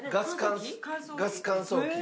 ガス乾燥機。